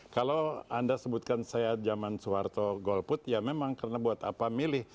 kalau anda sebutkan saya zaman soeharto golput ya memang karena buat apa milih